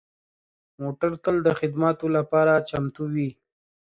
موټر تل د خدماتو لپاره چمتو وي.